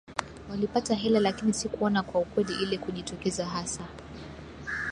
walipata hela lakini sikuona kwa kweli ile kujitokeza hasa